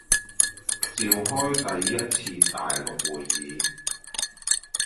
召開第一次大陸會議